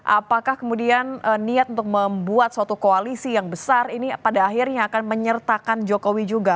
apakah kemudian niat untuk membuat suatu koalisi yang besar ini pada akhirnya akan menyertakan jokowi juga